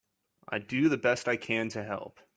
I do the best I can to help.